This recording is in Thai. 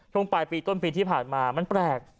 ช่วงปลายปีต้นปีที่ผ่านมามันแปลก